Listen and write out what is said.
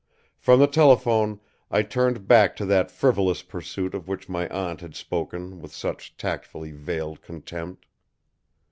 From the telephone I turned back to that frivolous pursuit of which my aunt had spoken with such tactfully veiled contempt.